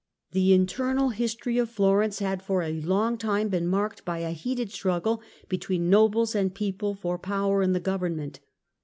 The Florence internal history of Florence had for long been marked by a heated struggle between nobles and people for power in the government.